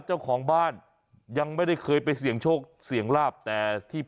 เจ้าแม่ตาปี